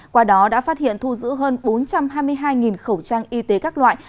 qua đó đã phát hiện thu giữ hơn bốn trăm hai mươi hai khẩu trang y tế các loại